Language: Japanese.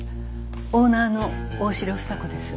オーナーの大城房子です。